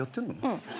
うん。